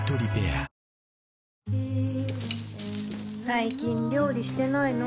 最近料理してないの？